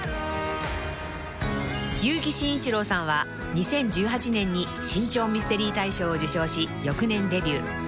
［結城真一郎さんは２０１８年に新潮ミステリー大賞を受賞し翌年デビュー］